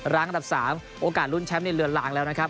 ร้างทับ๓โอกาสรุ่นแชมป์นี้เรือนหลังแล้วนะครับ